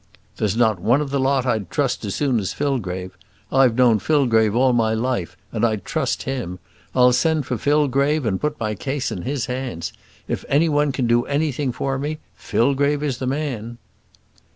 "There's not one of the lot I'd trust as soon as Fillgrave. I've known Fillgrave all my life, and I trust him. I'll send for Fillgrave and put my case in his hands. If any one can do anything for me, Fillgrave is the man."